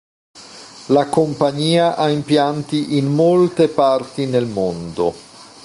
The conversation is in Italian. La compagnia ha impianti in molte parti nel mondo.